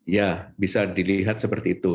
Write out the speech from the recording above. ya bisa dilihat seperti itu